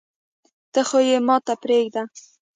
ته خو يي ماته پریږده